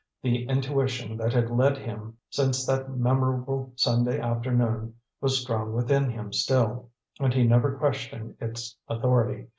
The intuition that had led him since that memorable Sunday afternoon was strong within him still, and he never questioned its authority.